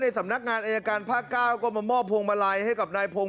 สำนักงานอายการภาค๙ก็มามอบพวงมาลัยให้กับนายพงศ